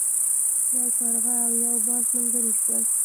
یو کارغه او یو باز ملګري شول.